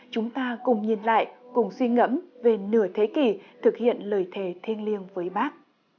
chúng ta cùng nhìn lại cùng suy ngẫm về nửa thế kỷ thực hiện lời thề thiêng liêng với bác